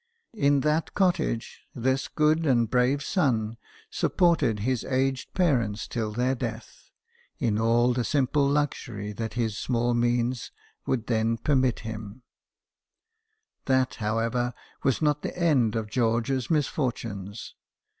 In that cottage this good and brave son supported his aged parents till their death, in all the simple luxury that his small means would then permit him. 40 BIOGRAPHIES OF WORKING MEN. That, however, was not the end of George's misfortunes.